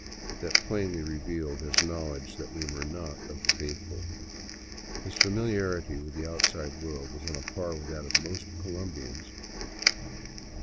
that plainly revealed his knowledge that we were not of the " faithful." His familiarity with the outside world was on a par with that of most Colombians.